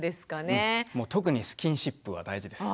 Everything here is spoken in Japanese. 特にスキンシップは大事です。